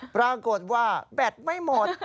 ปรากฏว่าแบตไม่หมด